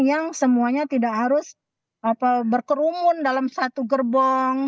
yang semuanya tidak harus berkerumun dalam satu gerbong